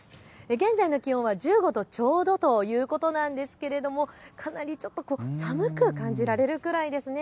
現在の気温は１５度ちょうどということなんですが、ちょっと寒く感じられるくらいです。